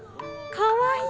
かわいい！」。